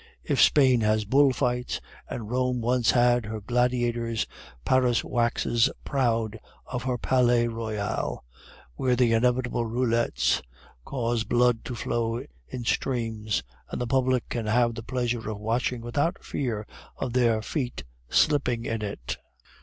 If Spain has bull fights, and Rome once had her gladiators, Paris waxes proud of her Palais Royal, where the inevitable roulettes cause blood to flow in streams, and the public can have the pleasure of watching without fear of their feet slipping in it.